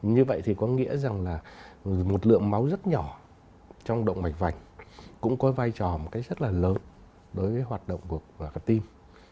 như vậy thì có nghĩa rằng là một lượng máu rất nhỏ trong động mạch vành cũng có vai trò rất là lớn đối với hoạt động của quả tim